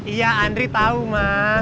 iya andri tau ma